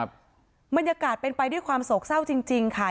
บรรยากาศเป็นไปด้วยความโศกเศร้าจริงจริงค่ะ